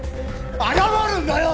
謝るんだよ！